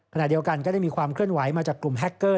ขณะเดียวกันก็ได้มีความเคลื่อนไหวมาจากกลุ่มแฮคเกอร์